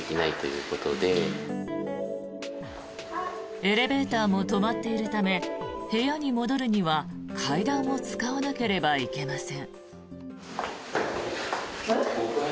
エレベーターも止まっているため部屋に戻るには階段を使わなければいけません。